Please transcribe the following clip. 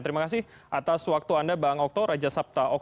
terima kasih atas waktu anda bang octor raja sabar